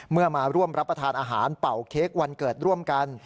มาร่วมรับประทานอาหารเป่าเค้กวันเกิดร่วมกัน